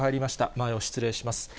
前を失礼します。